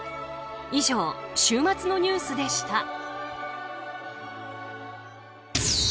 以上、週末のニュースでした。